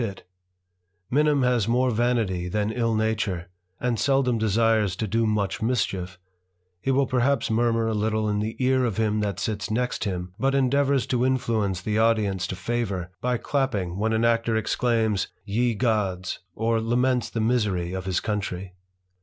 313 pit Minim has more vanity than ill nature, and seldom desires to do much mischief; he will perhaps murmur a little in the ear of him that sits next him, but endeavours to influence the audience to &vour, by clapping when an actor exclaims, " Ye gods 1 " or laments the misery of his country.